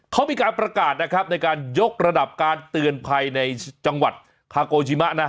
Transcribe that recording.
เขามีการประกาศนะครับในการยกระดับการเตือนภัยในจังหวัดคาโกชิมะ